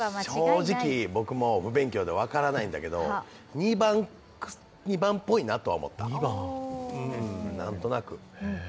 正直、僕も不勉強で分からないんだけど２番っぽいなとは思った、何となく。